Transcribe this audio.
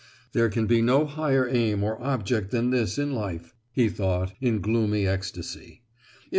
"There can be no higher aim or object than this in life," he thought, in gloomy ecstasy.